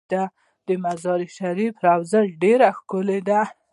د مزار شریف روضه ډیره ښکلې ده